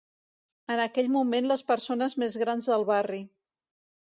En aquell moment les persones més grans del barri.